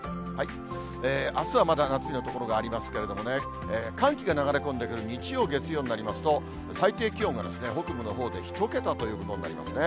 あすはまだ夏日の所がありますけれども、寒気が流れ込んでくる日曜、月曜になりますと、最低気温が北部のほうで１桁ということになりますね。